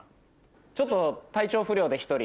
ちょっと体調不良で１人。